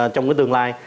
trong cái tương lai